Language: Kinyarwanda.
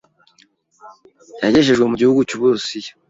yagejejwe mu gihugu cy’uburusiya